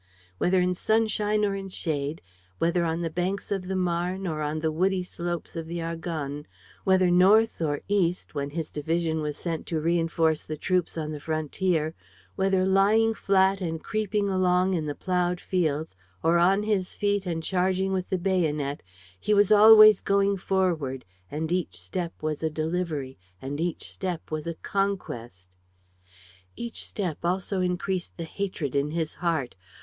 Whether in sunshine or in shade, whether on the banks of the Marne or on the woody slopes of the Argonne, whether north or east, when his division was sent to reinforce the troops on the frontier, whether lying flat and creeping along in the plowed fields or on his feet and charging with the bayonet, he was always going forward and each step was a delivery and each step was a conquest. Each step also increased the hatred in his heart.